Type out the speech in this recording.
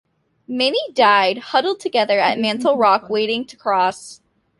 Many died huddled together at Mantle Rock waiting to cross.